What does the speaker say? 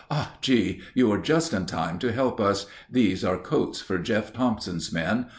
"Ah, G., you are just in time to help us; these are coats for Jeff Thompson's men.